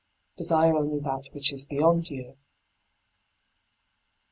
Desire only that which is beyond you.